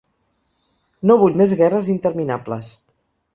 No vull més guerres interminables.